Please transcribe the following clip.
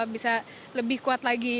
bisa lebih kuat lagi